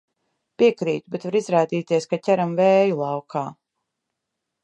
Piekrītu, bet var izrādīties, ka ķeram vēju laukā.